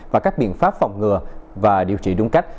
và các biện pháp phòng ngừa và điều trị đúng cách